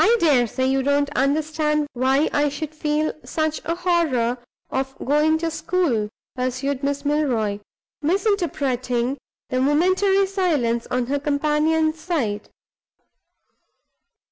"I dare say you don't understand why I should feel such a horror of going to school," pursued Miss Milroy, misinterpreting the momentary silence on her companion's side.